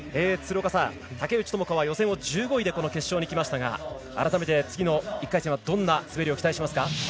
竹内智香は予選を１５位で決勝にきましたが改めて、次の１回戦はどんな滑りを期待しますか？